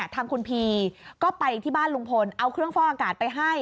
ทางคุณพีก็ไปที่บ้านลุงพลเอาเครื่องฟอกอากาศไปให้